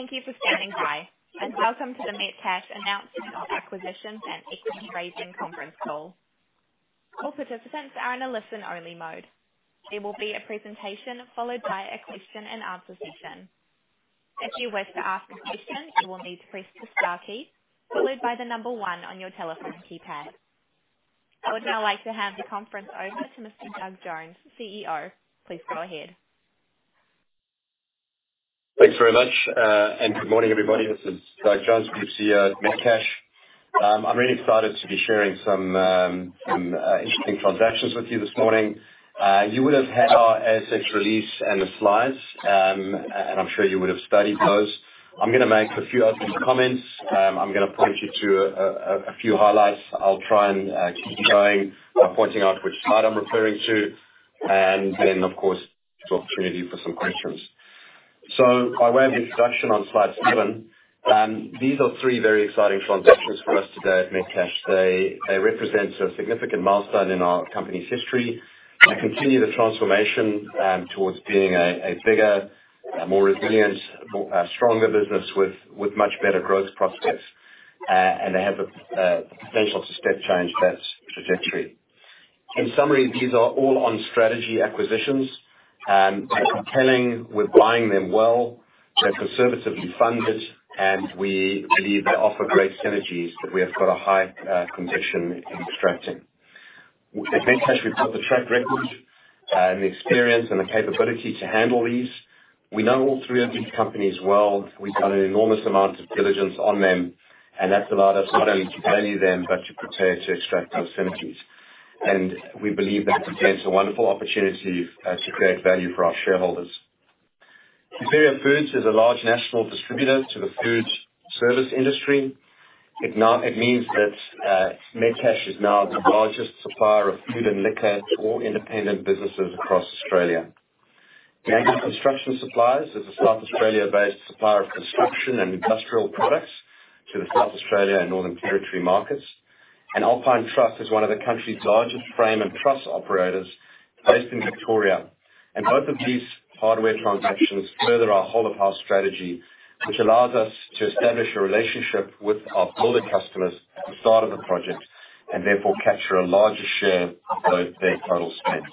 Thank you for standing by, and welcome to the Metcash Announcement of Acquisitions and Equity Raising Conference Call. All participants are in a listen-only mode. There will be a presentation followed by a question-and-answer session. If you wish to ask a question, you will need to press the star key followed by the number one on your telephone keypad. I would now like to have the conference over to Mr. Doug Jones, CEO. Please go ahead. Thanks very much, and good morning, everybody. This is Doug Jones, the CEO of Metcash. I'm really excited to be sharing some interesting transactions with you this morning. You would have had our ASX release and the slides, and I'm sure you would have studied those. I'm gonna make a few opening comments. I'm gonna point you to a few highlights. I'll try and keep going by pointing out which slide I'm referring to, and then, of course, the opportunity for some questions. So by way of introduction on slide seven, these are three very exciting transactions for us today at Metcash. They represent a significant milestone in our company's history. They continue the transformation, towards being a, a bigger, a more resilient, more, stronger business with, with much better growth prospects, and they have the, potential to step change that trajectory. In summary, these are all on-strategy acquisitions, and they're compelling. We're buying them well. They're conservatively funded, and we believe they offer great synergies that we have got a high confidence in extracting. At Metcash, we've got the track record, and the experience and the capability to handle these. We know all three of these companies well. We've done an enormous amount of diligence on them, and that's allowed us not only to value them but to prepare to extract those synergies. And we believe that presents a wonderful opportunity, to create value for our shareholders. Superior Foods is a large national distributor to the food service industry. It now... It means that, Metcash is now the largest supplier of food and liquor to all independent businesses across Australia. Bianco Construction Supplies is a South Australia-based supplier of construction and industrial products to the South Australia and Northern Territory markets. And Alpine Truss is one of the country's largest frame and truss operators based in Victoria. And both of these hardware transactions further our Whole-of-House Strategy, which allows us to establish a relationship with our builder customers at the start of the project and therefore capture a larger share of those, their total spend.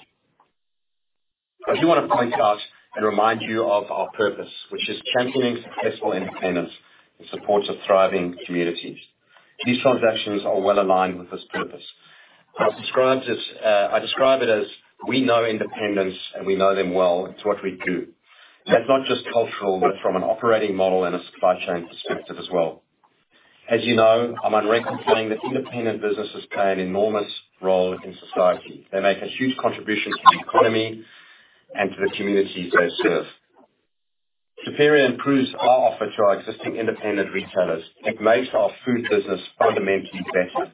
I do want to point out and remind you of our purpose, which is championing successful independents in support of thriving communities. These transactions are well aligned with this purpose. I'll describe this, I describe it as we know independents, and we know them well. It's what we do. That's not just cultural, but from an operating model and a supply chain perspective as well. As you know, I'm on record saying that independent businesses play an enormous role in society. They make a huge contribution to the economy and to the communities they serve. Superior improves our offer to our existing independent retailers. It makes our food business fundamentally better.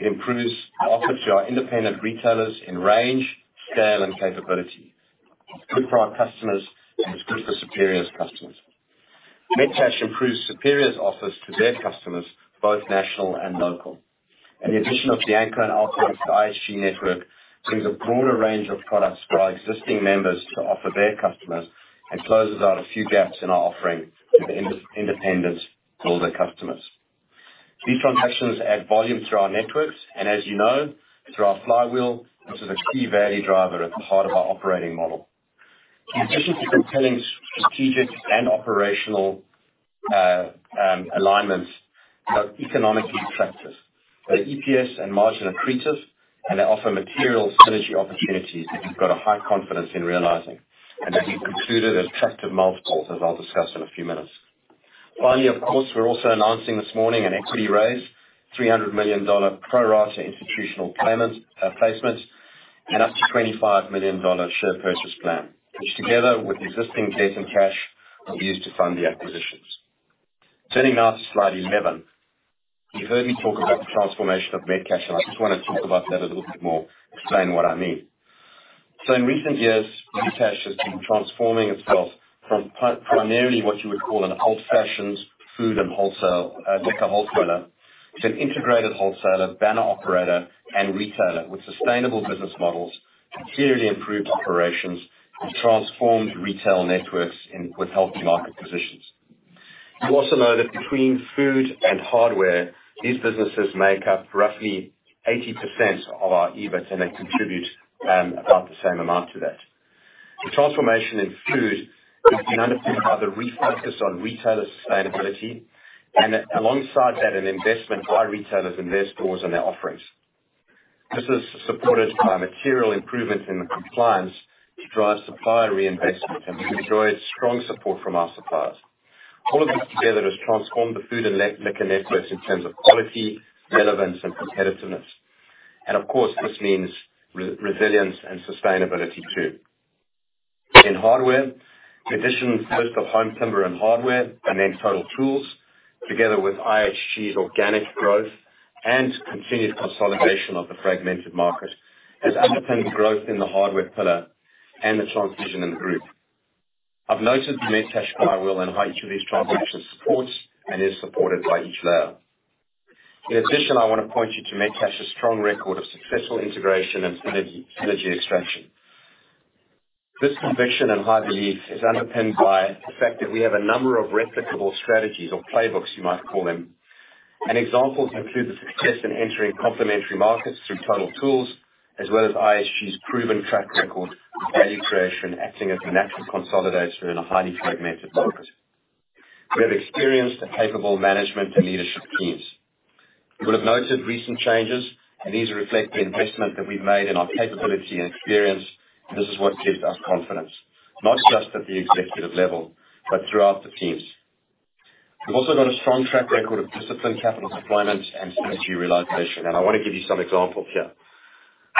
It improves the offer to our independent retailers in range, scale, and capability. It's good for our customers, and it's good for Superior's customers. Metcash improves Superior's offers to their customers, both national and local. And the addition of the Bianco and Alpine to the IHG network brings a broader range of products for our existing members to offer their customers and closes out a few gaps in our offering to the independents and all their customers. These transactions add volume to our networks, and as you know, through our flywheel, this is a key value driver at the heart of our operating model. In addition to compelling strategic and operational alignments, they're economically attractive. They are EPS and margin accretive, and they offer material synergy opportunities which we've got a high confidence in realizing, and they be concluded at attractive multiples, as I'll discuss in a few minutes. Finally, of course, we're also announcing this morning an equity raise, 300 million dollar pro rata institutional placement, and up to 25 million dollar share purchase plan, which together with existing debt and cash, will be used to fund the acquisitions. Turning now to slide 11. You've heard me talk about the transformation of Metcash, and I just want to talk about that a little bit more, explain what I mean. So in recent years, Metcash has been transforming itself from primarily what you would call an old-fashioned food and wholesale liquor wholesaler, to an integrated wholesaler, banner operator, and retailer with sustainable business models, clearly improved operations, and transformed retail networks in with healthy market positions. You also know that between food and hardware, these businesses make up roughly 80% of our EBIT, and they contribute about the same amount to that. The transformation in food has been underpinned by the refocus on retailer sustainability, and alongside that, an investment by retailers in their stores and their offerings. This is supported by material improvements in the compliance to drive supplier reinvestment, and we enjoyed strong support from our suppliers. All of this together has transformed the food and liquor networks in terms of quality, relevance, and competitiveness. And of course, this means resilience and sustainability, too. In hardware, the addition of first, Home Timber and Hardware and then Total Tools, together with IHG's organic growth and continued consolidation of the fragmented market, has underpinned growth in the hardware pillar and the transformation in the group. I've noted the Metcash flywheel and how each of these transactions supports and is supported by each layer. In addition, I want to point you to Metcash's strong record of successful integration and synergy extraction. This conviction and high belief is underpinned by the fact that we have a number of replicable strategies or playbooks, you might call them. And examples include the success in entering complementary markets through Total Tools, as well as IHG's proven track record of value creation, acting as a natural consolidator in a highly fragmented market. We have experienced and capable management and leadership teams. You will have noted recent changes, and these reflect the investment that we've made in our capability and experience, and this is what gives us confidence, not just at the executive level, but throughout the teams. We've also got a strong track record of disciplined capital deployment and synergy realization, and I want to give you some examples here.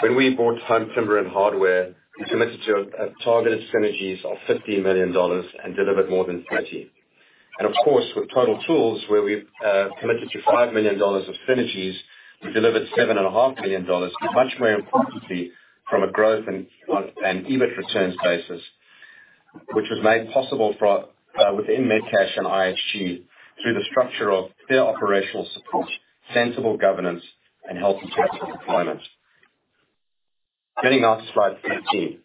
When we bought Home Timber and Hardware, we committed to targeted synergies of 50 million dollars and delivered more than 20 million. Of course, with Total Tools, where we've committed to 5 million dollars of synergies, we delivered 7.5 million dollars, but much more importantly, from a growth and EBIT returns basis, which was made possible within Metcash and IHG through the structure of fair operational support, sensible governance, and healthy capital deployment. Turning now to slide 15,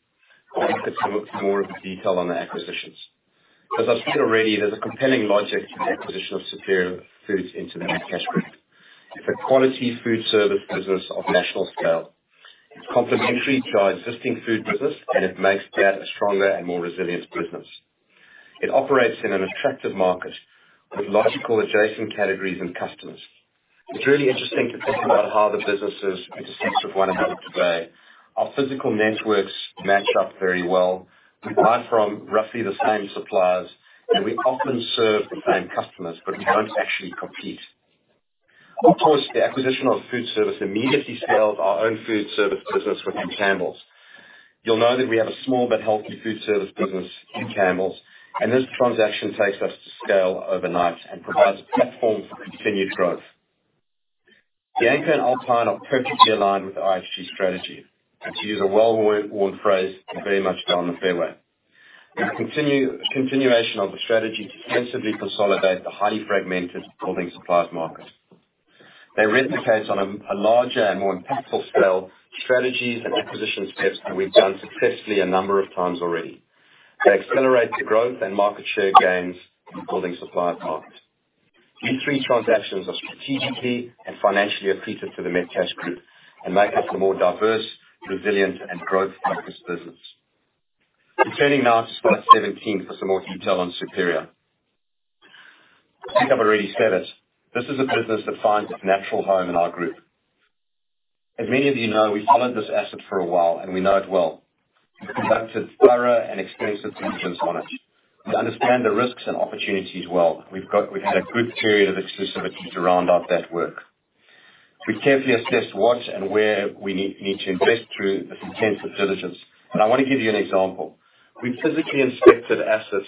I want to give some more of the detail on the acquisitions. As I've said already, there's a compelling logic to the acquisition of Superior Foods into the Metcash Group. It's a quality food service business of national scale. It's complementary to our existing food business, and it makes that a stronger and more resilient business. It operates in an attractive market with logical adjacent categories and customers. It's really interesting to think about how the businesses intersect with one another today. Our physical networks match up very well. We buy from roughly the same suppliers, and we often serve the same customers, but we don't actually compete. Of course, the acquisition of food service immediately scaled our own food service business within Campbells. You'll know that we have a small but healthy food service business in Campbells, and this transaction takes us to scale overnight and provides a platform for continued growth. The Bianco and Alpine are perfectly aligned with the IHG strategy. To use a well-worn phrase, we're very much down the fairway. Continuation of the strategy to sensibly consolidate the highly fragmented building supplies market. They replicate on a larger and more impactful scale, strategies and acquisition steps that we've done successfully a number of times already. They accelerate the growth and market share gains in the building supply market. These three transactions are strategically and financially accretive to the Metcash Group and make us a more diverse, resilient, and growth-focused business. Turning now to slide 17 for some more detail on Superior. I think I've already said it, this is a business that finds its natural home in our group. As many of you know, we followed this asset for a while, and we know it well. We conducted thorough and extensive diligence on it. We understand the risks and opportunities well. We've had a good period of exclusivity to round out that work. We carefully assessed what and where we need to invest through this intensive diligence, and I want to give you an example. We physically inspected assets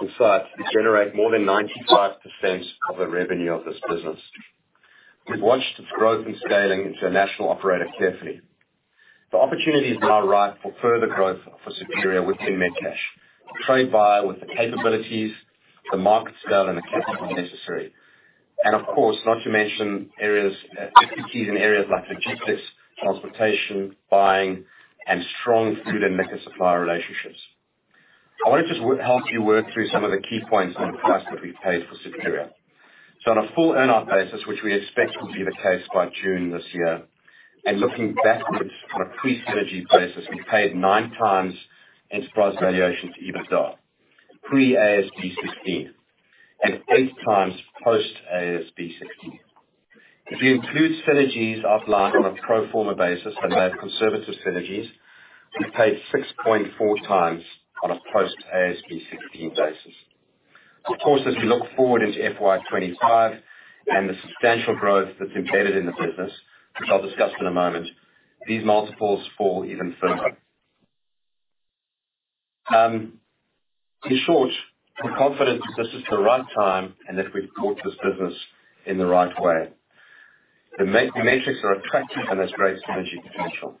and sites that generate more than 95% of the revenue of this business. We've watched its growth and scaling into a national operator carefully. The opportunity is now ripe for further growth for Superior within Metcash. Superior, with the capabilities, the market scale, and the capital necessary. Of course, not to mention areas, execution in areas like logistics, transportation, buying, and strong food and liquor supplier relationships. I want to just help you work through some of the key points on the price that we've paid for Superior. On a full earn-out basis, which we expect will be the case by June this year, and looking backwards on a pre-synergy basis, we paid 9x EV/EBITDA, pre-AASB 16, and 8x post-AASB 16. If you include synergies offline on a pro forma basis, and they are conservative synergies, we paid 6.4x on a post-AASB 16 basis. Of course, as we look forward into FY 2025 and the substantial growth that's embedded in the business, which I'll discuss in a moment, these multiples fall even further. In short, we're confident that this is the right time and that we've built this business in the right way. The metrics are attractive and there's great synergy potential.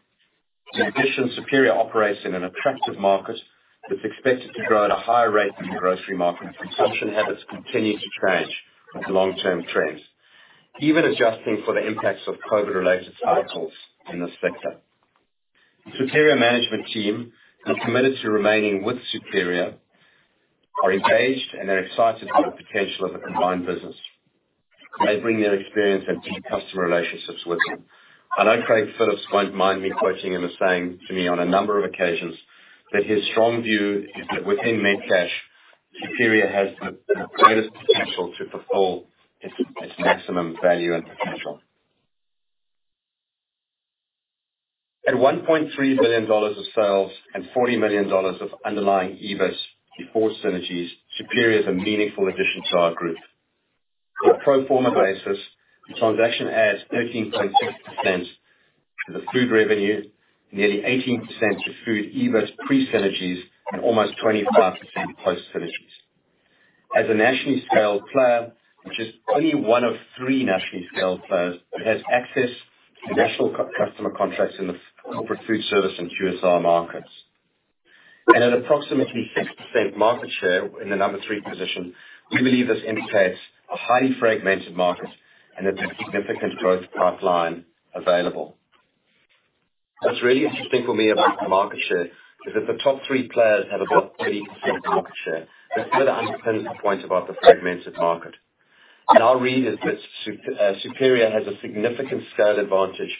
In addition, Superior operates in an attractive market that's expected to grow at a higher rate than the grocery market. Consumption habits continue to change with long-term trends, even adjusting for the impacts of COVID-related cycles in this sector. Superior management team is committed to remaining with Superior, are engaged, and are excited about the potential of a combined business. They bring their experience and deep customer relationships with them. I know Craig Phillips won't mind me quoting him as saying to me on a number of occasions, that his strong view is that within Metcash, Superior has the greatest potential to fulfill its maximum value and potential. At 1.3 billion dollars of sales and 40 million dollars of underlying EBIT before synergies, Superior is a meaningful addition to our group. On a pro forma basis, the transaction adds 13.6% to the food revenue, nearly 18% to food EBIT pre-synergies, and almost 25% post synergies. As a nationally scaled player, which is only one of three nationally scaled players, it has access to national customer contracts in the corporate food service and QSR markets... and at approximately 6% market share in the number three position, we believe this indicates a highly fragmented market and there's a significant growth pipeline available. What's really interesting for me about the market share is that the top three players have about 30% market share. This further underpins the point about the fragmented market, and I'll read it that Superior has a significant scale advantage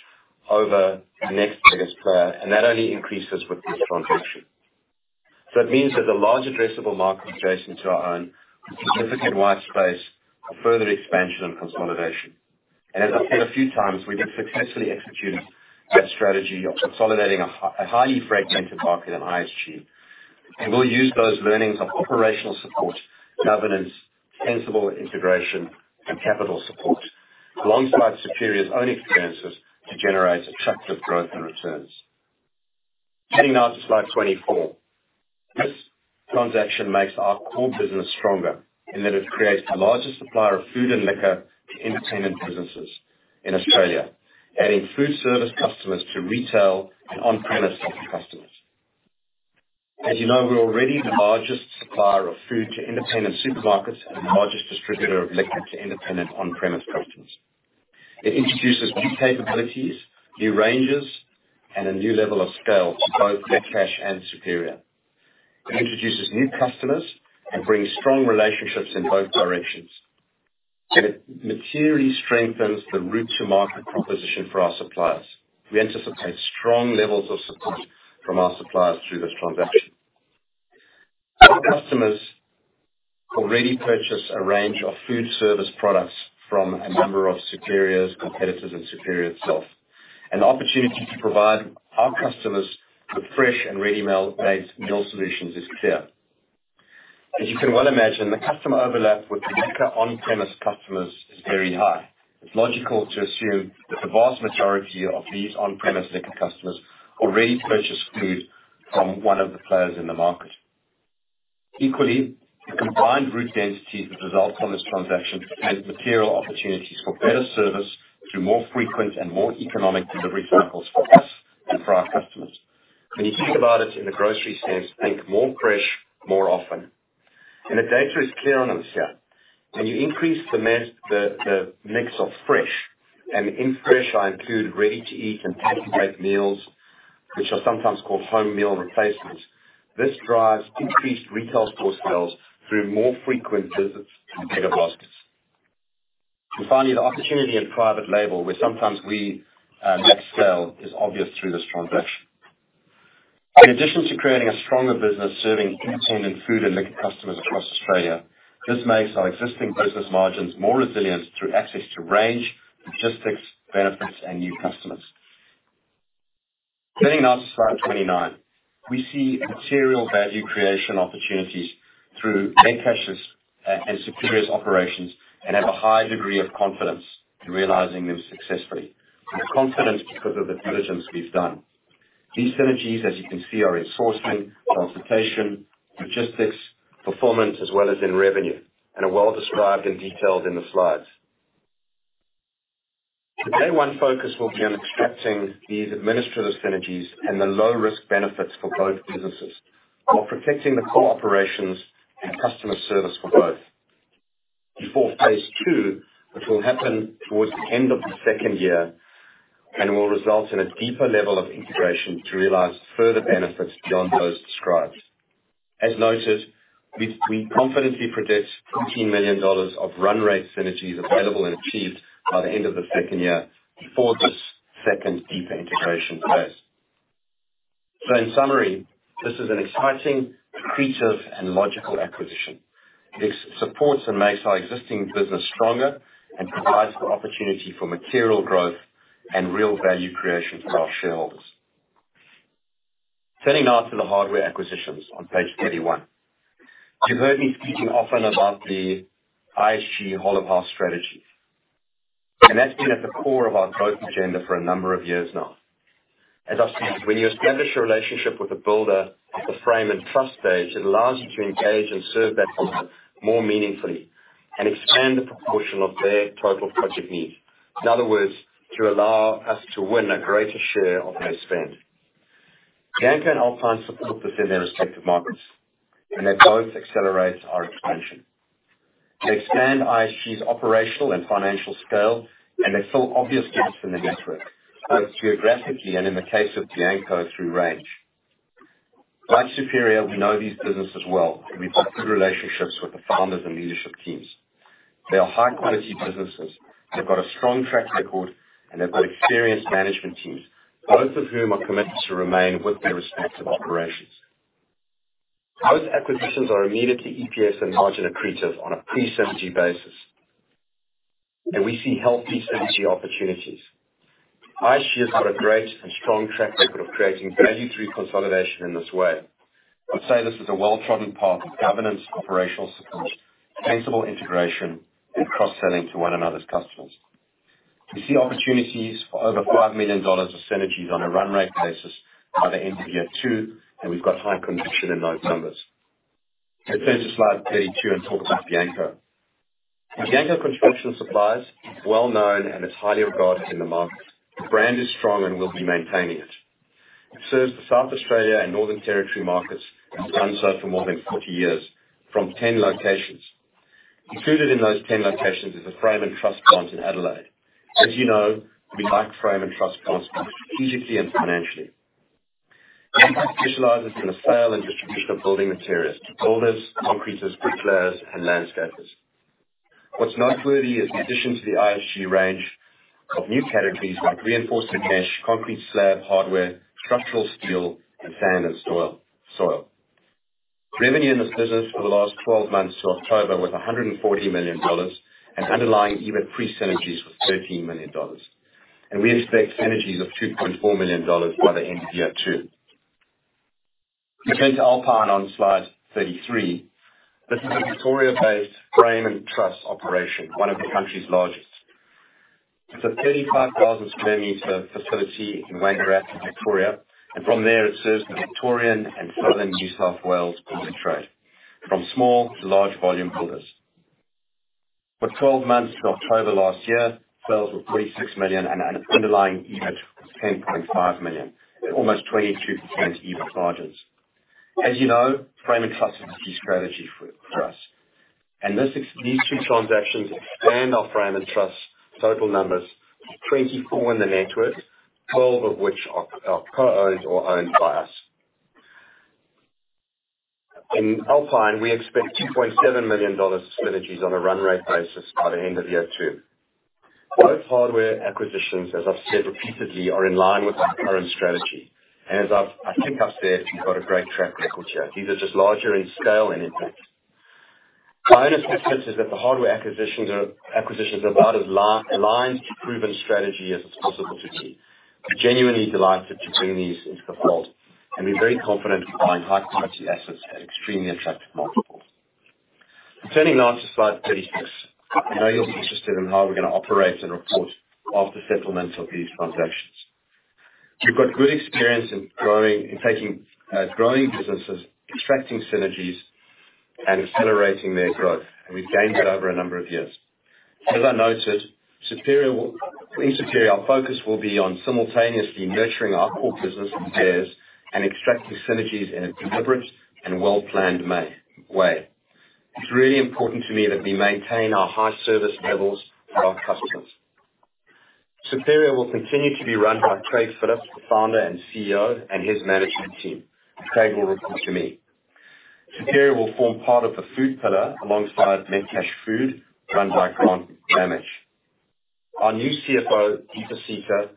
over the next biggest player, and that only increases with this transaction. So it means there's a large addressable market adjacent to our own, a significant wide space for further expansion and consolidation. And as I've said a few times, we have successfully executed that strategy of consolidating a highly fragmented market in IHG, and we'll use those learnings of operational support, governance, sensible integration, and capital support alongside Superior's own experiences to generate attractive growth and returns. Heading now to slide 24. This transaction makes our core business stronger in that it creates the largest supplier of food and liquor to independent businesses in Australia, adding food service customers to retail and on-premise customers. As you know, we're already the largest supplier of food to independent supermarkets and the largest distributor of liquor to independent on-premise customers. It introduces new capabilities, new ranges, and a new level of scale to both Metcash and Superior. It introduces new customers and brings strong relationships in both directions. And it materially strengthens the route to market proposition for our suppliers. We anticipate strong levels of support from our suppliers through this transaction. Our customers already purchase a range of food service products from a number of Superior's competitors and Superior itself, and the opportunity to provide our customers with fresh and ready-made meal solutions is clear. As you can well imagine, the customer overlap with liquor on-premise customers is very high. It's logical to assume that the vast majority of these on-premise liquor customers already purchase food from one of the players in the market. Equally, the combined route density that results from this transaction has material opportunities for better service through more frequent and more economic delivery cycles for us and for our customers. When you think about it in the grocery sense, think more fresh, more often. And the data is clear on this here. When you increase the mix of fresh, and in fresh I include ready-to-eat and par-bake meals, which are sometimes called home meal replacements, this drives increased retail store sales through more frequent visits to bigger baskets. And finally, the opportunity in private label, where sometimes we net sell, is obvious through this transaction. In addition to creating a stronger business serving independent food and liquor customers across Australia, this makes our existing business margins more resilient through access to range, logistics, benefits, and new customers. Getting now to slide 29. We see material value creation opportunities through Metcash's and Superior's operations, and have a high degree of confidence in realizing them successfully. We're confident because of the diligence we've done. These synergies, as you can see, are in sourcing, consolidation, logistics, performance, as well as in revenue, and are well described and detailed in the slides. The day one focus will be on extracting these administrative synergies and the low-risk benefits for both businesses, while protecting the core operations and customer service for both. Before phase two, which will happen towards the end of the second year and will result in a deeper level of integration to realize further benefits beyond those described. As noted, we confidently project 13 million dollars of run-rate synergies available and achieved by the end of the second year before this second deeper integration phase. So in summary, this is an exciting, accretive, and logical acquisition. This supports and makes our existing business stronger and provides for opportunity for material growth and real value creation for our shareholders. Turning now to the hardware acquisitions on page 31. You've heard me speaking often about the IHG whole-of-house strategy, and that's been at the core of our growth agenda for a number of years now. As I've said, when you establish a relationship with a builder at the frame and truss stage, it allows you to engage and serve that customer more meaningfully and expand the proportion of their total project needs. In other words, to allow us to win a greater share of their spend. Bianco and Alpine support us in their respective markets, and they both accelerate our expansion. They expand IHG's operational and financial scale, and they fill obvious gaps in the network, both geographically and in the case of Bianco, through range. Like Superior, we know these businesses well, and we've got good relationships with the founders and leadership teams. They are high-quality businesses, they've got a strong track record, and they've got experienced management teams, both of whom are committed to remain with their respective operations. Both acquisitions are immediately EPS and margin accretive on a pre-synergy basis, and we see healthy synergy opportunities. IHG has got a great and strong track record of creating value through consolidation in this way. I'd say this is a well-trodden path of governance, operational support, sensible integration, and cross-selling to one another's customers. We see opportunities for over 5 million dollars of synergies on a run-rate basis by the end of year two, and we've got high conviction in those numbers. I turn to slide 32 and talk about Bianco. Bianco Construction Supplies is well known and is highly regarded in the market. The brand is strong and we'll be maintaining it. It serves the South Australia and Northern Territory markets and has done so for more than 40 years from 10 locations. Included in those 10 locations is a frame and truss plant in Adelaide. As you know, we like frame and truss plants, strategically and financially. Bianco specializes in the sale and distribution of building materials to builders, concreters, bricklayers, and landscapers. What's noteworthy is the addition to the IHG range of new categories like reinforced mesh, concrete slab, hardware, structural steel, and sand and soil. Revenue in this business for the last twelve months to October was 140 million dollars, and underlying EBIT pre-synergies was 13 million dollars. We expect synergies of 2.4 million dollars by the end of year two. Let's turn to Alpine on slide 33. This is a Victoria-based frame and truss operation, one of the country's largest. It's a 35,000 square meter facility in Wangaratta, Victoria, and from there it serves the Victorian and Southern New South Wales concentrate, from small to large volume builders. For twelve months to October last year, sales were 36 million and an underlying EBIT of 10.5 million, almost 22% EBIT margins. As you know, Frame and Truss is a key strategy for us, and these two transactions expand our Frame and Truss total numbers to 24 in the network, 12 of which are co-owned or owned by us. In Alpine, we expect 2.7 million dollars synergies on a run-rate basis by the end of year two. Both hardware acquisitions, as I've said repeatedly, are in line with our current strategy. As I've said, we've got a great track record here. These are just larger in scale and impact. My honest assessment is that the hardware acquisitions are about as aligned to proven strategy as it's possible to be. We're genuinely delighted to bring these into the fold, and we're very confident to find high-quality assets at extremely attractive multiples. Turning now to slide 36. I know you'll be interested in how we're going to operate and report off the settlements of these transactions. We've got good experience in growing, in taking, growing businesses, extracting synergies, and accelerating their growth, and we've gained it over a number of years. As I noted, in Superior, our focus will be on simultaneously nurturing our core business and share and extracting synergies in a deliberate and well-planned way. It's really important to me that we maintain our high service levels to our customers. Superior will continue to be run by Craig Phillips, the founder and CEO, and his management team. Craig will report to me. Superior will form part of the food pillar alongside Metcash Food, run by Grant Ramage. Our new CFO, Deepa Sita,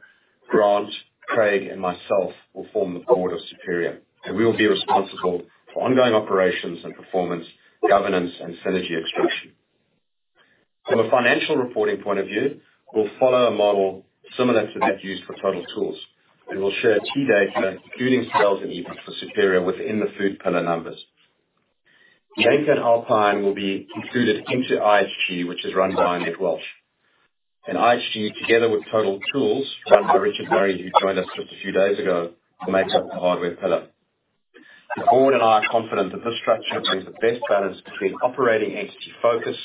Grant, Craig, and myself will form the board of Superior, and we will be responsible for ongoing operations and performance, governance, and synergy extraction. From a financial reporting point of view, we'll follow a model similar to that used for Total Tools, and we'll share key data, including sales and EBIT, for Superior within the food pillar numbers. Bianco and Alpine will be included into IHG, which is run by Annette Welsh. IHG, together with Total Tools, run by Richard Murray, who joined us just a few days ago, will make up the hardware pillar. The board and I are confident that this structure brings the best balance between operating entity focus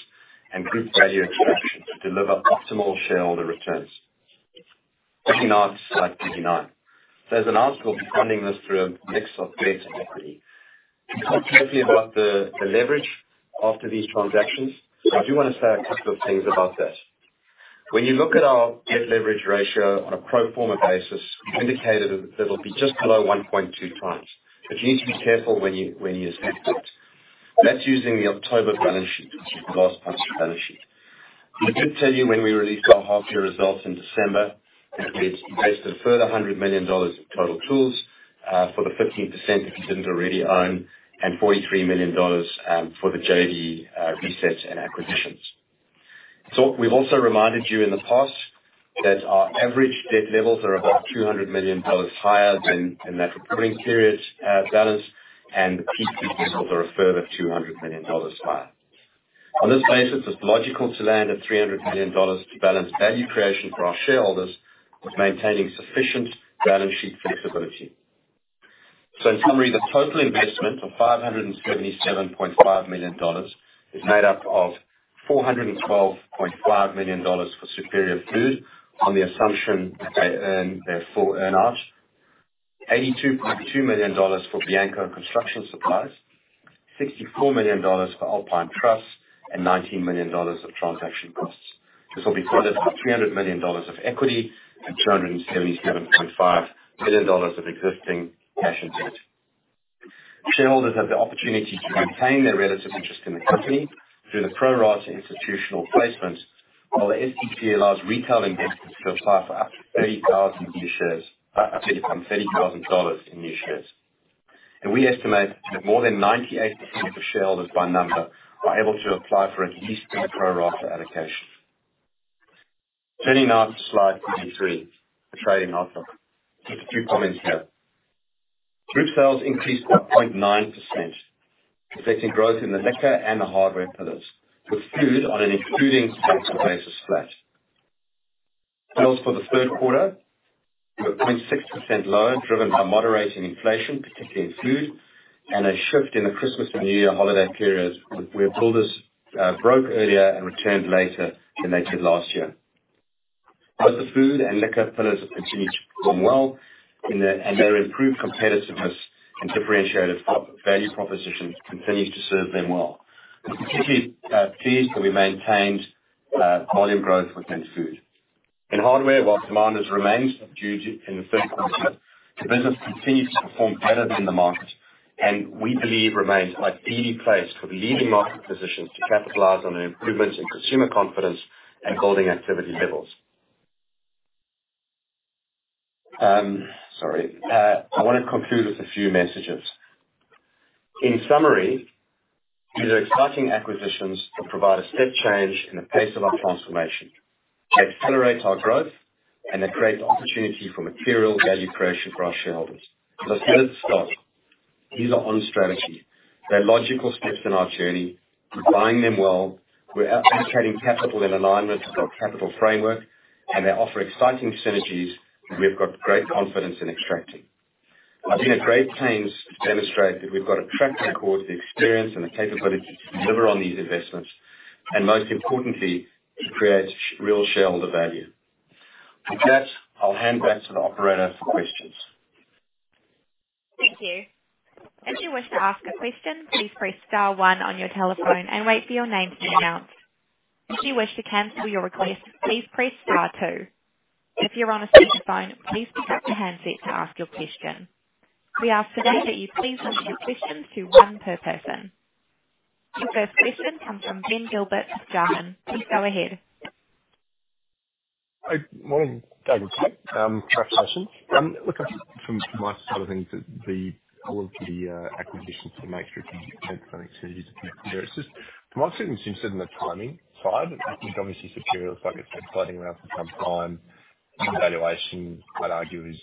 and group value extraction to deliver optimal shareholder returns. Turning now to slide 39. There's an allocation defining this through a mix of debt and equity. You talked earlier about the leverage after these transactions. I do want to say a couple of things about that. When you look at our debt leverage ratio on a pro forma basis, we indicated that it'll be just below 1.2x. But you need to be careful when you use that. That's using the October balance sheet, the last published balance sheet. We did tell you when we released our half year results in December, that we'd invested a further 100 million dollars in Total Tools for the 15% we didn't already own, and 43 million dollars for the JV resets and acquisitions. So we've also reminded you in the past that our average debt levels are about 200 million dollars higher than in that reporting period's balance, and the peak levels are a further 200 million dollars higher. On this basis, it's logical to land at 300 million dollars to balance value creation for our shareholders, with maintaining sufficient balance sheet flexibility. So in summary, the total investment of 577.5 million dollars is made up of 412.5 million dollars for Superior Foods, on the assumption that they earn their full earn-out. 82.2 million dollars for Bianco Construction Supplies, 64 million dollars for Alpine Truss, and 19 million dollars of transaction costs. This will be funded by 300 million dollars of equity and 277.5 million dollars of existing cash and debt. Shareholders have the opportunity to maintain their relative interest in the company through the pro rata institutional placement, while the SPP allows retail investors to apply for up to 30,000 new shares, AUD 30,000 in new shares. We estimate that more than 98% of shareholders by number, are able to apply for at least a pro rata allocation. Turning now to slide 43, the trading update. Just a few comments here. Group sales increased by 0.9%, reflecting growth in the liquor and the hardware pillars, with food on an excluding like-for-like basis flat. Sales for the third quarter were 0.6% lower, driven by moderating inflation, particularly in food, and a shift in the Christmas and New Year holiday periods, where builders broke earlier and returned later than they did last year. Both the food and liquor pillars have continued to perform well, and their improved competitiveness and differentiated value proposition continues to serve them well. We're particularly pleased that we maintained volume growth within food. In hardware, while demand has remained subdued in the first quarter, the business continues to perform better than the market, and we believe remains ideally placed with leading market positions to capitalize on the improvements in consumer confidence and building activity levels. Sorry. I want to conclude with a few messages. In summary, these exciting acquisitions will provide a step change in the pace of our transformation. They accelerate our growth, and they create the opportunity for material value creation for our shareholders. Let's get it started. These are on strategy. They're logical steps in our journey. We're buying them well. We're allocating capital in alignment with our capital framework, and they offer exciting synergies that we've got great confidence in extracting. I think our great teams demonstrate that we've got a track record, the experience, and the capability to deliver on these investments, and most importantly, to create real shareholder value. With that, I'll hand back to the operator for questions. Thank you. If you wish to ask a question, please press star one on your telephone and wait for your name to be announced. If you wish to cancel your request, please press star two. If you're on a speakerphone, please pick up the handset to ask your question. We ask today that you please limit your questions to one per person. The first question comes from Ben Gilbert of Goldman. Please go ahead. Hi, morning, David. Congratulations. Look, from my side of things, the quality acquisitions you make sure to make. From my perspective, I'm interested in the timing side. I think obviously, Superior looks like it's been floating around for some time. Valuation, I'd argue, is,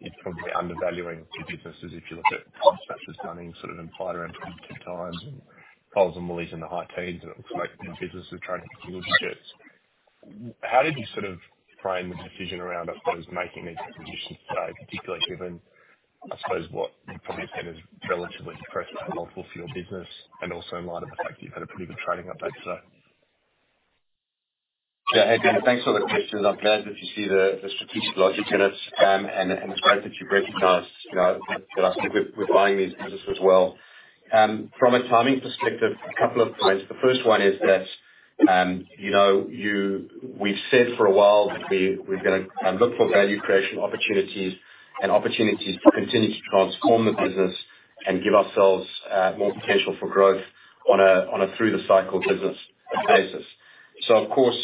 it's probably undervaluing two businesses. If you look at P/E's running sort of implied around 2x, and Coles and Woolies in the high teens, and it looks like the business is trying to. How did you sort of frame the decision around, I suppose, making these acquisitions today, particularly given, I suppose, what you'd probably have said is relatively depressed multiple for your business, and also in light of the fact that you've had a pretty good trading update today? Yeah. Hey, Ben, thanks for the question. I'm glad that you see the strategic logic in it, and it's great that you've recognized, you know, that I think we're buying these businesses well. From a timing perspective, a couple of points. The first one is that, you know, we've said for a while that we're gonna look for value creation opportunities and opportunities to continue to transform the business and give ourselves more potential for growth on a through-the-cycle business basis. So of course,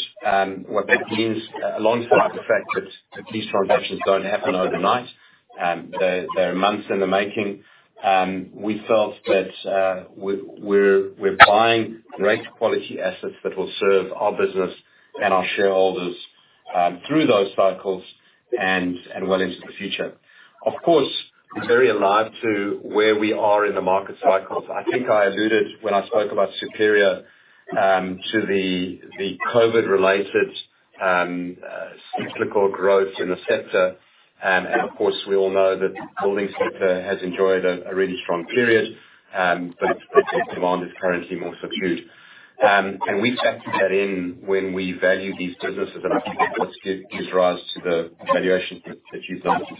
what that means, alongside the fact that these transactions don't happen overnight, they are months in the making. We felt that we're buying great quality assets that will serve our business and our shareholders through those cycles and well into the future. Of course, we're very alive to where we are in the market cycles. I think I alluded when I spoke about Superior to the COVID-related cyclical growth in the sector. And of course, we all know that the building sector has enjoyed a really strong period, but its demand is currently more subdued. And we factor that in when we value these businesses, and I think that's gives rise to the valuation that you've noticed.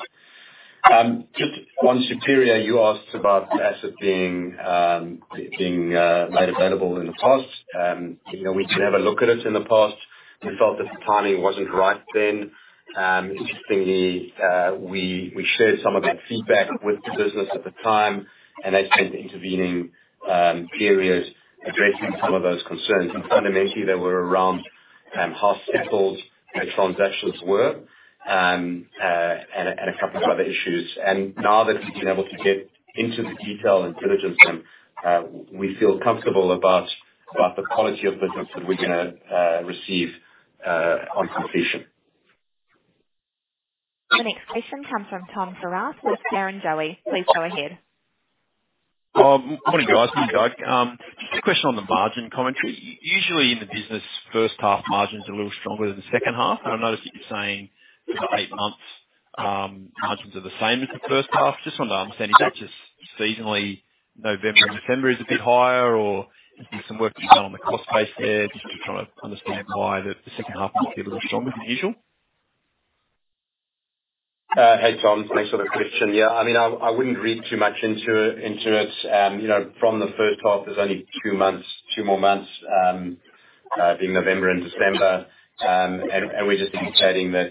Just on Superior, you asked about the asset being made available in the past. You know, we did have a look at it in the past. We felt that the timing wasn't right then. Interestingly, we shared some of that feedback with the business at the time, and they've spent intervening periods addressing some of those concerns. And fundamentally, they were around how settled their transactions were, and a couple of other issues. And now that we've been able to get into the detail and diligence them, we feel comfortable about the quality of business that we're gonna receive on completion. The next question comes from Tom Kierath with Barrenjoey. Please go ahead. Good morning, guys. Just a question on the margin commentary. Usually in the business, first half margins are a little stronger than the second half, and I've noticed that you're saying for the eight months, margins are the same as the first half. Just wanted to understand if that's just seasonally November and December is a bit higher, or has been some work done on the cost base there? Just trying to understand why the second half might be a little stronger than usual. Hey, Tom. Thanks for the question. Yeah, I mean, I wouldn't read too much into it, into it. You know, from the first half, there's only two months, two more months, being November and December. And we're just indicating that,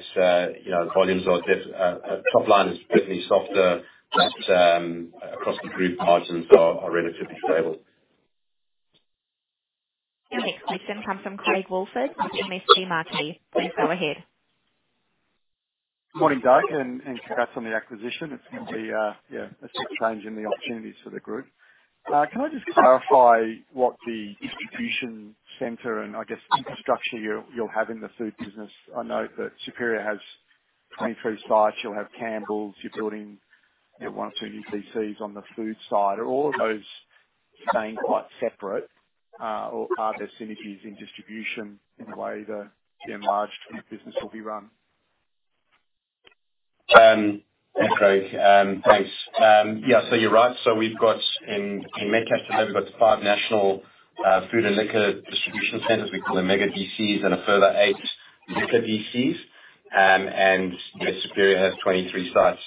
you know, volumes are just, top line is certainly softer, but, across the group, margins are relatively stable. The next question comes from Craig Woolford with MST Marquee. Please go ahead. Morning, Dave, and congrats on the acquisition. It's going to be, yeah, a step change in the opportunities for the group. Can I just clarify what the distribution center and, I guess, infrastructure you'll have in the food business? I know that Superior has 23 sites. You'll have Campbells. You're building, you know, 1 or 2 new DCs on the food side. Are all of those staying quite separate, or are there synergies in distribution in the way the enlarged food business will be run? Hey, Craig. Thanks. Yeah, so you're right. So we've got in Metcash today, we've got five national food and liquor distribution centers we call the mega DCs and a further eight mega DCs. And, you know, Superior has 23 sites.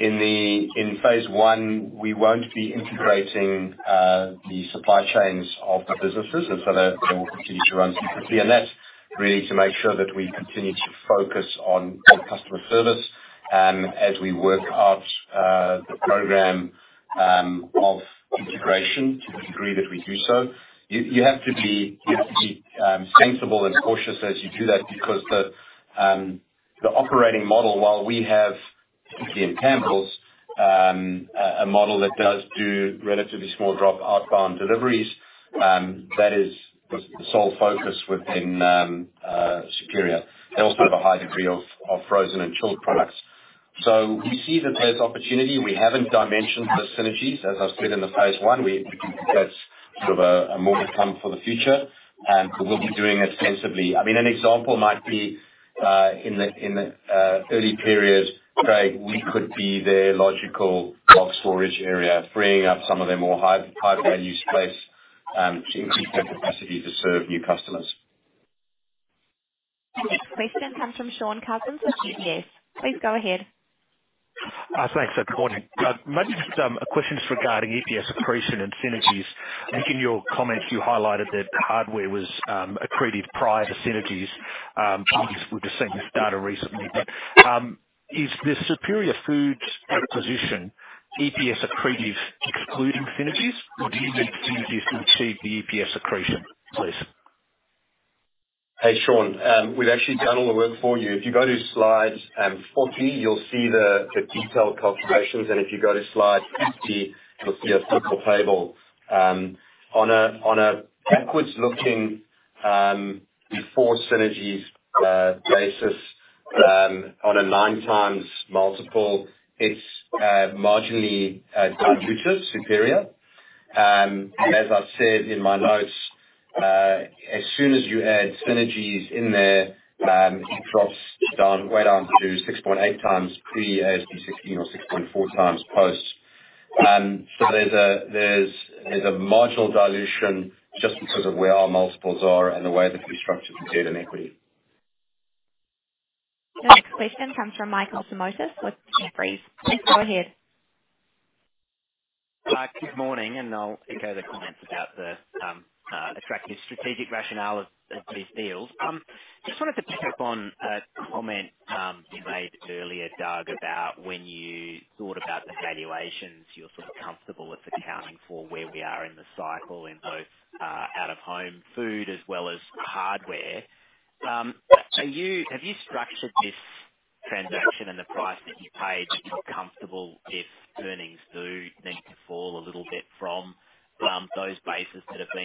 In phase one, we won't be integrating the supply chains of the businesses, and so they will continue to run separately. And that's really to make sure that we continue to focus on customer service as we work out the program of integration to the degree that we do so. You have to be sensible and cautious as you do that because the operating model, while we have in Campbells a model that does do relatively small drop outbound deliveries, that is the sole focus within Superior. They also have a high degree of frozen and chilled products. So we see that there's opportunity. We haven't dimensioned the synergies. As I've said in the phase one, that's sort of a more to come for the future, and we'll be doing it sensibly. I mean, an example might be in the early periods, Craig, we could be their logical bulk storage area, freeing up some of their more high-value space to increase their capacity to serve new customers. The next question comes from Shaun Cousins with UBS. Please go ahead. Thanks for the morning. Maybe just a question regarding EPS accretion and synergies. I think in your comments, you highlighted that Hardware was accretive prior to synergies. We've just seen this data recently, but is the Superior Foods acquisition EPS accretive, excluding synergies, or do you need synergies to achieve the EPS accretion, please? Hey, Sean, we've actually done all the work for you. If you go to slides 40, you'll see the, the detailed calculations, and if you go to slide 50, you'll see a simple table. On a, on a backwards-looking, before synergies, basis, on a 9x multiple, it's marginally dilutive, Superior. As I've said in my notes, as soon as you add synergies in there, it drops down, way down to 6.8x pre AASB 16 or 6.4x post. So there's a, there's, there's a marginal dilution just because of where our multiples are and the way the three structures are shared in equity. The next question comes from Michael Simotas with Jefferies. Please go ahead. Good morning, and I'll echo the comments about the attractive strategic rationale of these deals. Just wanted to pick up on a comment you made earlier, Doug, about when you thought about the valuations, you're sort of comfortable with accounting for where we are in the cycle in both out of home food as well as hardware. Have you structured this transaction and the price that you paid comfortable if earnings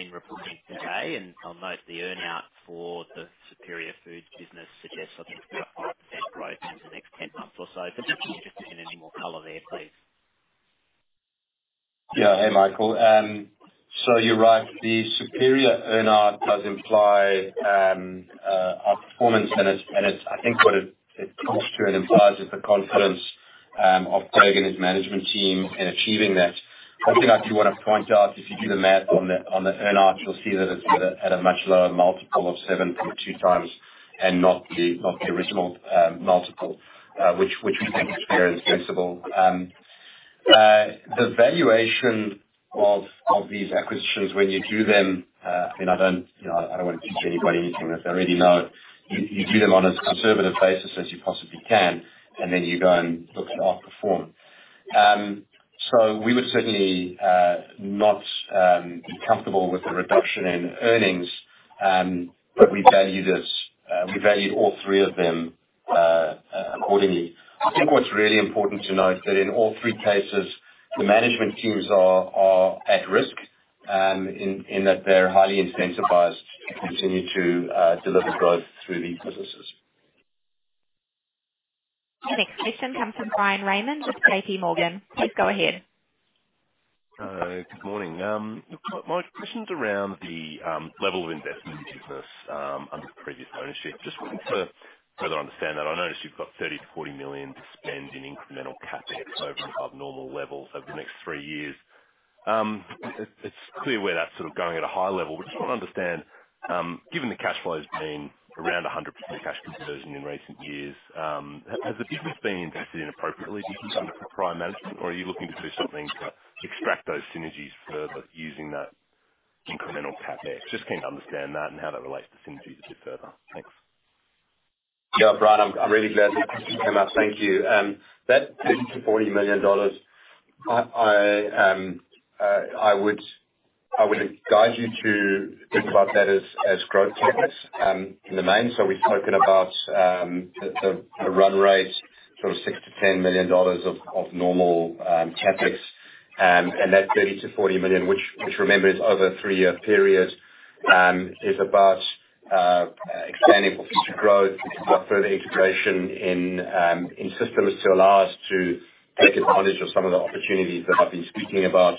do need to fall a little bit from those bases that have been reported today? And I'll note the earn-out for the Superior Foods business suggests, I think, about 5% growth in the next 10 months or so. But just wonder if you can add any more color there, please. Yeah. Hey, Michael. So you're right. The Superior earn-out does imply our performance, and it's, and it's I think what it comes to and implies is the confidence of Craig and his management team in achieving that. One thing I do want to point out, if you do the math on the earn-out, you'll see that it's at a much lower multiple of 7.2x and not the original multiple, which we think is fair and sensible. The valuation of these acquisitions when you do them, I mean, I don't, you know, I don't want to teach anybody anything that they already know. You do them on as conservative basis as you possibly can, and then you go and look at our performance. So we would certainly not be comfortable with the reduction in earnings, but we value this, we value all three of them accordingly. I think what's really important to note that in all three cases, the management teams are at risk, in that they're highly incentivized to continue to deliver growth through the businesses. Your next question comes from Bryan Raymond with JPMorgan. Please go ahead. Good morning. My question's around the level of investment in the business under the previous ownership. Just wanting to further understand that. I noticed you've got 30-40 million to spend in incremental CapEx over the abnormal levels over the next three years. It's clear where that's sort of going at a high level. We just want to understand, given the cash flow has been around 100% cash conversion in recent years, has the business been invested in appropriately do you think under prior management, or are you looking to do something to extract those synergies further using that incremental CapEx? Just keen to understand that and how that relates to synergies a bit further. Thanks. Yeah, Brian, I'm really glad that came up. Thank you. That 30 million-40 million dollars, I would advise you to think about that as growth CapEx, in the main. So we've spoken about the run-rate, sort of 6 million-10 million dollars of normal CapEx, and that 30 million-40 million, which remember is over a 3-year period, is about expanding for future growth, our further integration in systems to allow us to take advantage of some of the opportunities that I've been speaking about.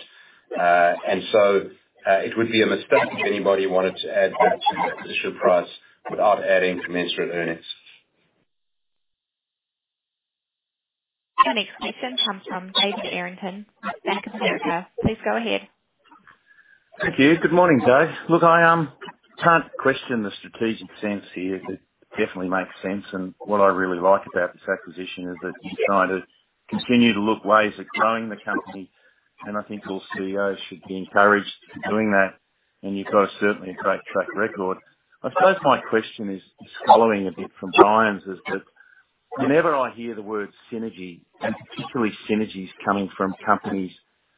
And so, it would be a mistake if anybody wanted to add that to the acquisition price without adding commensurate earnings. Your next question comes from David Errington, Bank of America. Please go ahead. Thank you. Good morning, Dave. Look, I can't question the strategic sense here. It definitely makes sense, and what I really like about this acquisition is that you're trying to continue to look ways of growing the company, and I think all CEOs should be encouraged in doing that, and you've got certainly a great track record. I suppose my question is, is following a bit from Brian's, is that whenever I hear the word synergy, and particularly synergies coming from companies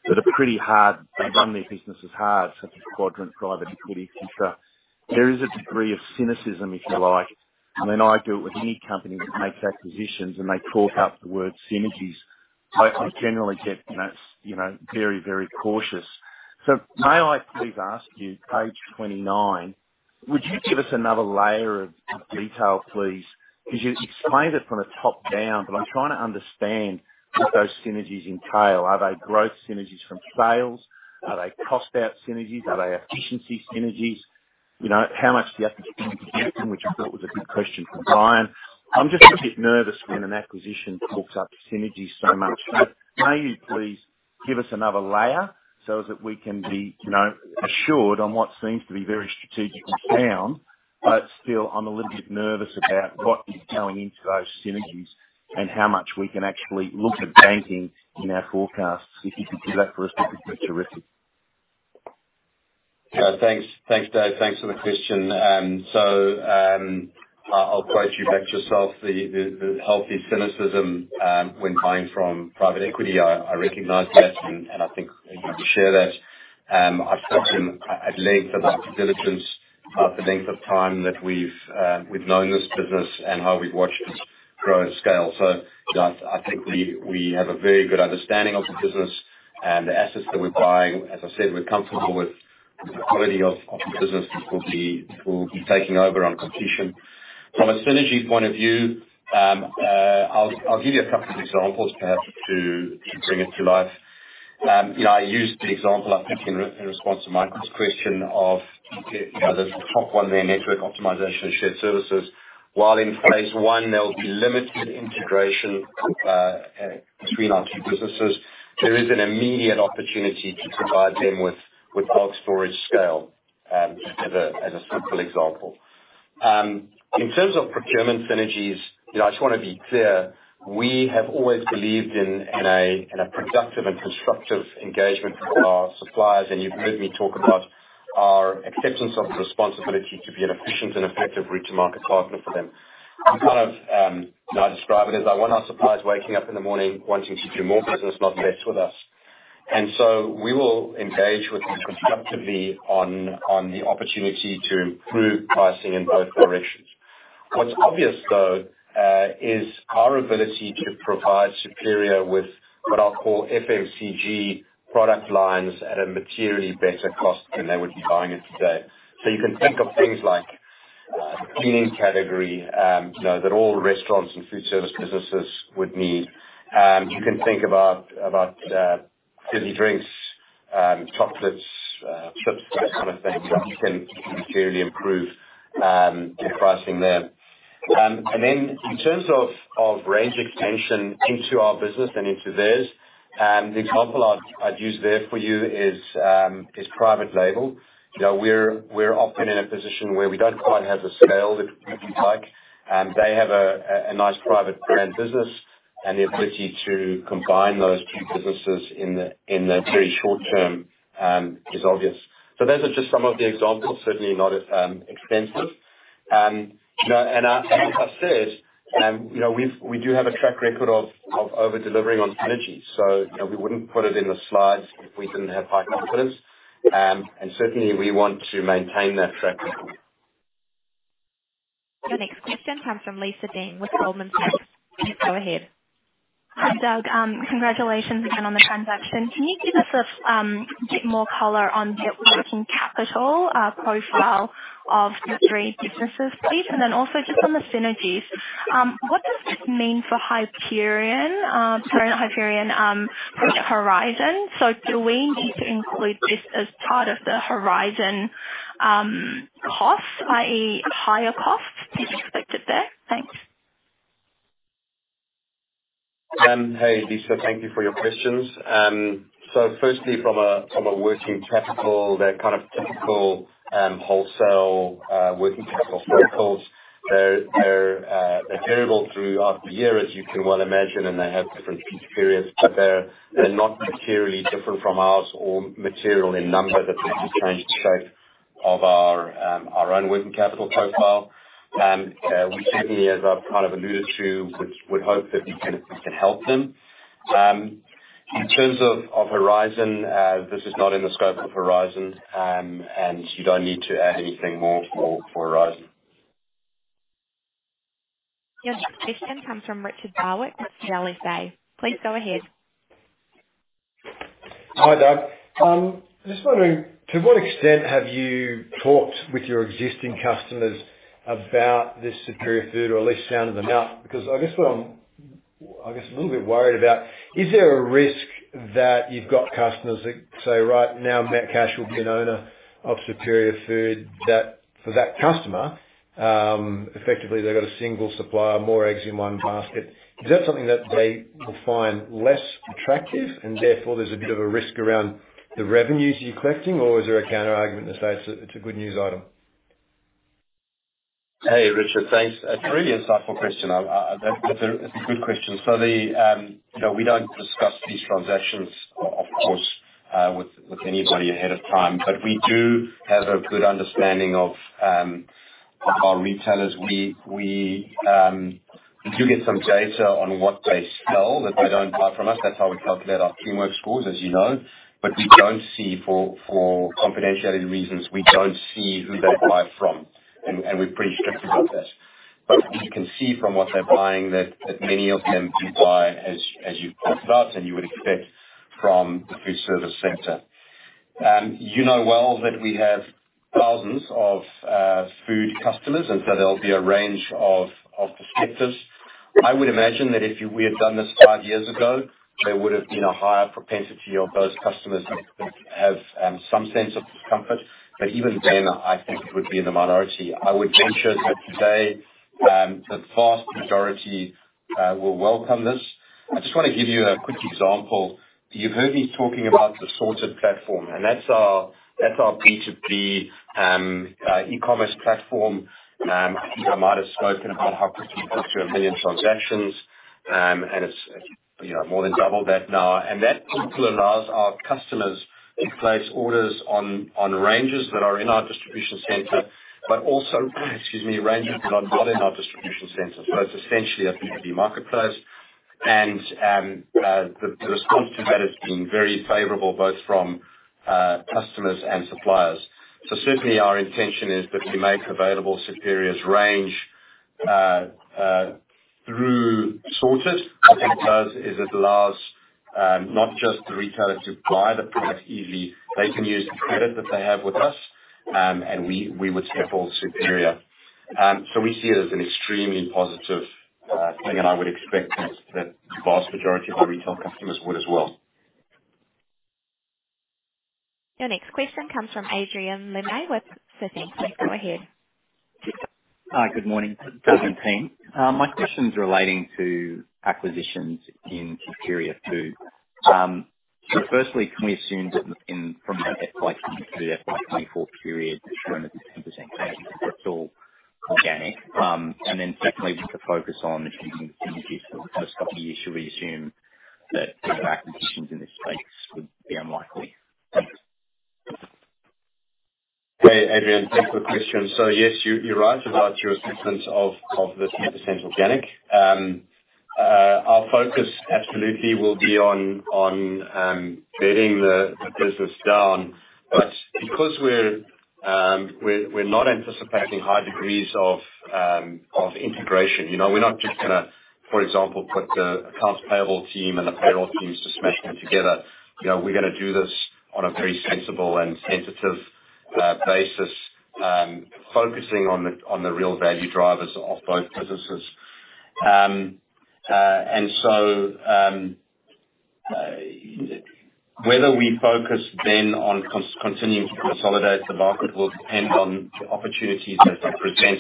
that are pretty hard, they've run their businesses hard, such as Quadrant Private Equity, et cetera, there is a degree of cynicism, if you like. And when I deal with any company that makes acquisitions and they talk up the word synergies, I generally get, you know, very, very cautious. So may I please ask you, page 29, would you give us another layer of, of detail, please? Because you explained it from the top down, but I'm trying to understand what those synergies entail. Are they growth synergies from sales? Are they cost out synergies? Are they efficiency synergies? You know, how much do you have to which I thought was a good question from Brian. I'm just a bit nervous when an acquisition talks up synergies so much. So may you please give us another layer so that we can be, you know, assured on what seems to be very strategically sound, but still, I'm a little bit nervous about what is going into those synergies and how much we can actually look at banking in our forecasts. If you could do that for us, that'd be terrific. Thanks. Thanks, Dave. Thanks for the question. I'll quote you back to yourself, the healthy cynicism when buying from private equity, I recognize that, and I think we share that. I've spoken at length about the diligence, about the length of time that we've known this business and how we've watched it grow and scale. So I think we have a very good understanding of the business and the assets that we're buying. As I said, we're comfortable with the quality of the business that we'll be taking over on completion. From a synergy point of view, I'll give you a couple of examples perhaps to bring it to life. You know, I used the example, I think, in response to Michael's question of, you know, the top one there, network optimization and shared services. While in phase one, there will be limited integration between our two businesses, there is an immediate opportunity to provide them with bulk storage scale, as a simple example. In terms of procurement synergies, you know, I just want to be clear, we have always believed in a productive and constructive engagement with our suppliers, and you've heard me talk about our acceptance of responsibility to be an efficient and effective route to market partner for them. I kind of, you know, I describe it as I want our suppliers waking up in the morning, wanting to do more business, not less with us. And so we will engage with them constructively on the opportunity to improve pricing in both directions. What's obvious, though, is our ability to provide Superior with what I'll call FMCG product lines at a materially better cost than they would be buying it today. So you can think of things like, cleaning category, you know, that all restaurants and food service businesses would need. You can think about fizzy drinks, chocolates, chips, that kind of thing, where we can materially improve the pricing there. And then in terms of range extension into our business and into theirs, the example I'd use there for you is private label. You know, we're often in a position where we don't quite have the scale, if you like, and they have a nice private brand business, and the ability to combine those two businesses in the very short term is obvious. So those are just some of the examples, certainly not extensive. You know, and as I said, you know, we do have a track record of over-delivering on synergies, so, you know, we wouldn't put it in the slides if we didn't have high confidence. And certainly we want to maintain that track record. Your next question comes from Lisa Deng with Goldman Sachs. Please go ahead. Hi, Doug. Congratulations again on the transaction. Can you give us a bit more color on the working capital profile of the three businesses, please? And then also just on the synergies, what does this mean for Hyperion? Sorry, not Hyperion, for Horizon. So do we need to include this as part of the Horizon costs, i.e., higher costs can be expected there? Thanks. Hey, Lisa, thank you for your questions. So firstly, from a working capital, they're kind of typical wholesale working capital circles. They're variable through our year, as you can well imagine, and they have different peak periods, but they're not materially different from ours or material in number that would change the shape of our own working capital profile. We certainly, as I've kind of alluded to, would hope that we can help them. In terms of Horizon, this is not in the scope of Horizon, and you don't need to add anything more for Horizon. Your next question comes from Richard Barwick with Jarden. Please go ahead. Hi, Doug. Just wondering, to what extent have you talked with your existing customers about this Superior Foods, or at least sounded them out? Because I guess what I'm, I guess, a little bit worried about, is there a risk that you've got customers that say, right now Metcash will be an owner of Superior Foods, that for that customer, effectively they've got a single supplier, more eggs in one basket. Is that something that they will find less attractive, and therefore there's a bit of a risk around the revenues you're collecting, or is there a counterargument that says it's a good news item? Hey, Richard. Thanks. A very insightful question. That's a good question. So, you know, we don't discuss these transactions of course with anybody ahead of time, but we do have a good understanding of our retailers. We do get some data on what they sell, that they don't buy from us. That's how we calculate our teamwork scores, as you know. But we don't see, for confidentiality reasons, who they buy from, and we're pretty strict about that. But we can see from what they're buying that many of them do buy, as you've pointed out, and you would expect from the food service sector. You know well that we have thousands of food customers, and so there'll be a range of perspectives. I would imagine that if we had done this five years ago, there would have been a higher propensity of those customers to have some sense of discomfort. But even then, I think it would be in the minority. I would venture that today, the vast majority will welcome this. I just wanna give you a quick example. You've heard me talking about the Sorted platform, and that's our B2B e-commerce platform. I think I might have spoken about how quickly it got to 1 million transactions, and it's, you know, more than double that now. And that tool allows our customers to place orders on ranges that are in our distribution center, but also ranges that are not in our distribution center. So it's essentially a B2B marketplace. The response to that has been very favorable, both from customers and suppliers. So certainly our intention is that we make available Superior's range through Sorted. What it does is it allows not just the retailer to buy the product easily. They can use the credit that they have with us, and we would supply all Superior. So we see it as an extremely positive thing, and I would expect that the vast majority of our retail customers would as well. Your next question comes from Adrian Lemme with Citi. Please go ahead. Hi, good morning, Doug and team. My question's relating to acquisitions in Superior Foods. So firstly, can we assume that from the FY 2023 to FY 2024 period, it's 20%, that's all organic? And then secondly, with the focus on the future for the first couple of years, should we assume that further acquisitions in this space would be unlikely? Thanks. Hey, Adrian, thanks for the question. So yes, you, you're right about your assessment of the 10% organic. Our focus absolutely will be on bedding the business down. But because we're not anticipating high degrees of integration, you know, we're not just gonna, for example, put the accounts payable team and the payroll teams to smash them together. You know, we're gonna do this on a very sensible and sensitive basis, focusing on the real value drivers of both businesses. And so, whether we focus then on continuing to consolidate the market will depend on the opportunities that they present,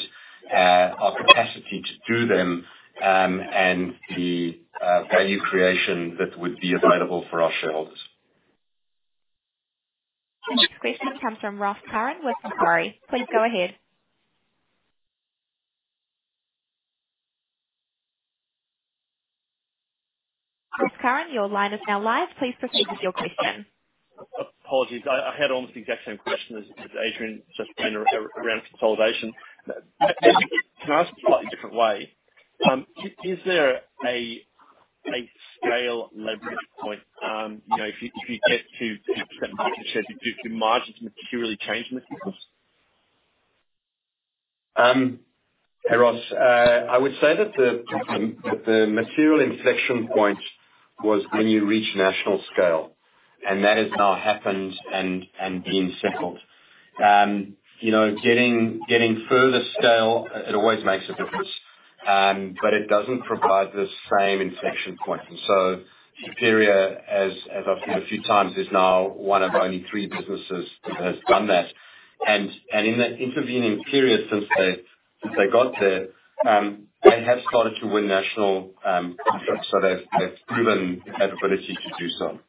our capacity to do them, and the value creation that would be available for our shareholders. The next question comes from Ross Curran with Macquarie. Please go ahead. Ross Curran, your line is now live. Please proceed with your question. Apologies. I had almost the exact same question as Adrian, just around consolidation. Can I ask a slightly different way? Is there a scale leverage point, you know, if you get to do margins materially change in the business? Hey, Ross, I would say that the material inflection point was when you reach national scale, and that has now happened and been settled. You know, getting further scale, it always makes a difference, but it doesn't provide the same inflection point. So Superior, as I've said a few times, is now one of only three businesses that has done that. In that intervening period since they got there, they have started to win national contracts, so they've proven the ability to do so.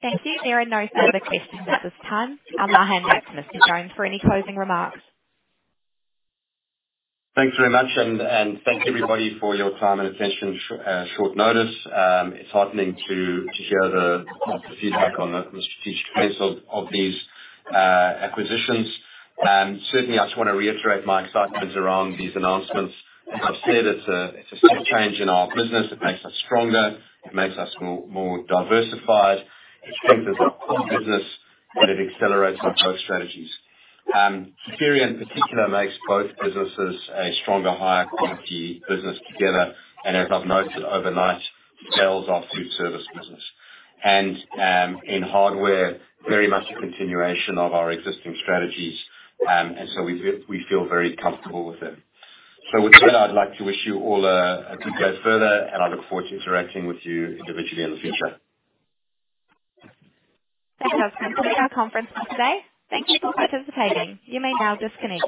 Thank you. There are no further questions at this time. I'll hand back to Mr. Jones for any closing remarks. Thanks very much, and thank you everybody for your time and attention, short notice. It's heartening to hear the feedback on the strategic case of these acquisitions. Certainly I just wanna reiterate my excitement around these announcements. As I've said, it's a step change in our business. It makes us stronger, it makes us more diversified. It strengthens our core business, and it accelerates our growth strategies. Superior in particular makes both businesses a stronger, higher quality business together, and as I've noted, overnight sales our food service business. And in hardware, very much a continuation of our existing strategies, and so we feel very comfortable with it. So with that, I'd like to wish you all a good day further, and I look forward to interacting with you individually in the future. That concludes our conference for today. Thank you for participating. You may now disconnect.